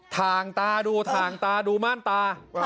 ถ่างตาดูถ่างตาดูม่านตา